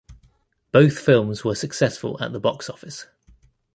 Both films were successful at the box office.